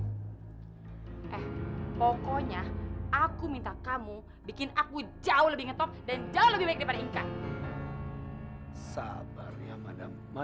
eh pokoknya aku minta kamu bikin aku jauh lebih ngetop